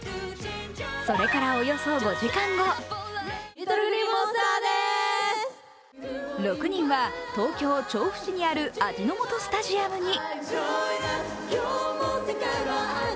それからおよそ５時間後６人は東京・調布市にある味の素スタジアムに。